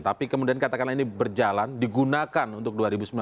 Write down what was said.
tapi kemudian katakanlah ini berjalan digunakan untuk dua ribu sembilan belas